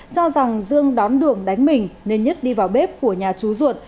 cho rằng dương đón đường đánh mình nên nhất đi vào bếp của nhà chú ruột